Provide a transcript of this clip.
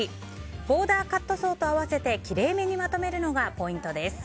ボーダーカットソーと合わせてきれいめにまとめるのがポイントです。